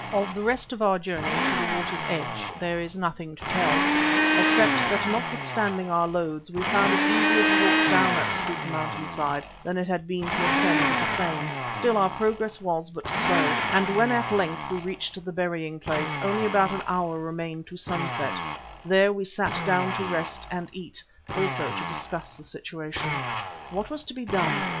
Of the rest of our journey to the water's edge there is nothing to tell, except that notwithstanding our loads, we found it easier to walk down that steep mountain side than it had been to ascend the same. Still our progress was but slow, and when at length we reached the burying place only about an hour remained to sunset. There we sat down to rest and eat, also to discuss the situation. What was to be done?